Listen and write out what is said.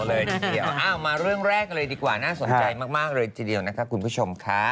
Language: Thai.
เลยทีเดียวอ้าวมาเรื่องแรกกันเลยดีกว่าน่าสนใจมากเลยทีเดียวนะคะคุณผู้ชมค่ะ